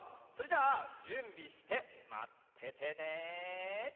それじゃあじゅんびしてまっててね。